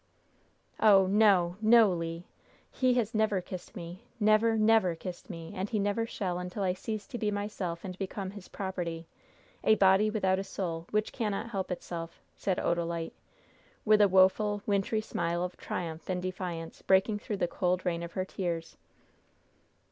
"Oh, no, no, Le! He has never kissed me never, never kissed me and he never shall until I cease to be myself and become his property, a body without a soul, which cannot help itself," said Odalite, with a woeful, wintry smile of triumph and defiance breaking through the cold rain of her tears.